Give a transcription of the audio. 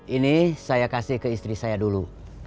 ini saya kasih ke istri saya dulu